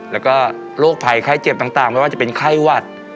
แล้วก็โรคภัยไข้เจ็บต่างไม่ว่าจะเป็นไข้หวัด